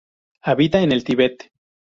Habita en el Tibet.